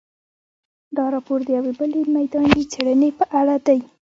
دا راپور د یوې بلې میداني څېړنې په اړه دی.